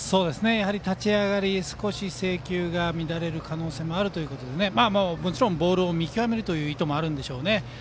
立ち上がり、少し制球が乱れる可能性があるということでもちろんボールを見極める意図もあるんでしょうね。